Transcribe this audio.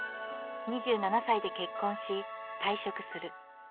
２７歳で結婚し退職する。